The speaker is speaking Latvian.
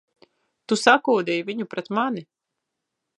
Tu sakūdīji viņu pret mani!